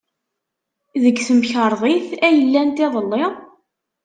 Deg temkarḍit ay llant iḍelli?